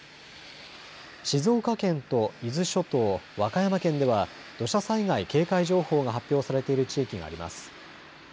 静岡県と伊豆諸島、和歌山県では土砂災害警戒情報が発表されている地域があります。